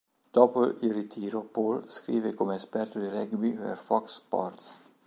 Dopo il ritiro Paul scrive come esperto di rugby per Fox Sports.